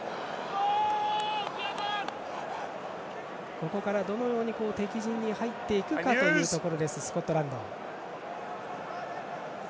ここからどのように敵陣に入っていくかというところスコットランド。